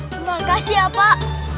terima kasih ya pak